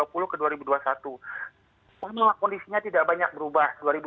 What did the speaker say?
inilah kondisinya tidak banyak berubah